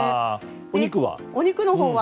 お肉は？